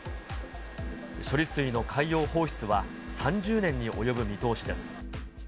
処理水の海洋放出は３０年に及ぶ見通しです。